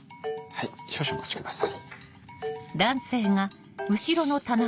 少々お待ちください。